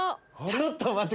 ちょっと待って！